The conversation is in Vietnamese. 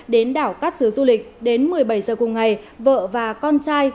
đến đảo cát sứa du lịch đến một mươi bảy h cùng ngày vợ và con trai